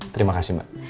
terima kasih mbak